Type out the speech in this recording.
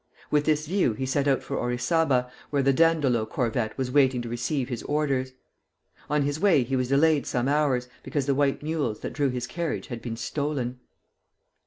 With this view he set out for Orizaba, where the "Dandolo" corvette was waiting to receive his orders. On his way he was delayed some hours, because the white mules that drew his carriage had been stolen.